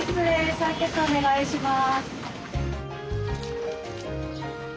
採血お願いします。